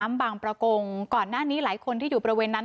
แม่น้ำบางประกงก่อนหน้านี้หลายคนที่อยู่ประเวนนั้น